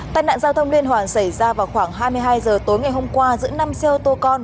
tai nạn giao thông liên hoàn xảy ra vào khoảng hai mươi hai h tối ngày hôm qua giữa năm xe ô tô con